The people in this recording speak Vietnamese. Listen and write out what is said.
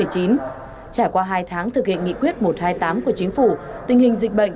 trải qua hai tháng thực hiện nghị quyết một trăm hai mươi tám của chính phủ tình hình dịch bệnh